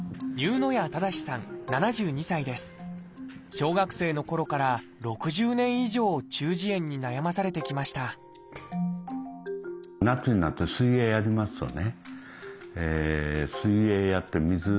小学生のころから６０年以上中耳炎に悩まされてきました夏になると水泳やりますよね。